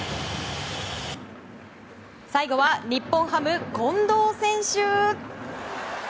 最後は日本ハム、近藤選手。